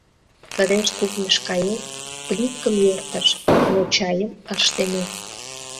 Кыдеж-кухньыш каен, плиткым йӧртыш, но чайым ыш теме.